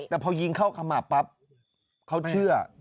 แต่พอยิงเข้าขมับปั๊บเขาเชื่อ